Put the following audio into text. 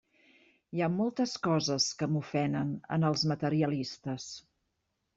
Hi ha moltes coses que m'ofenen en els materialistes.